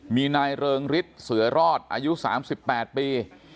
มีนายเริงฤทธิ์เสือรอดอายุ๓๘ปี